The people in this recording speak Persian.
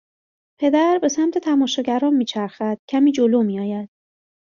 پدر به سمت تماشاگران میچرخد کمی جلو میآید